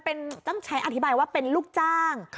เป็นต้องใช้อธิบายว่าเป็นลูกจ้าง